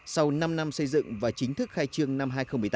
sau năm năm xây dựng và chính thức khai trương năm hai nghìn một mươi tám